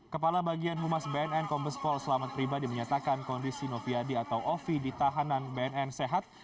kepala bagian humas bnn kombespol selamat pribadi menyatakan kondisi noviadi atau ovi di tahanan bnn sehat